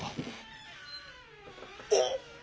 おっ！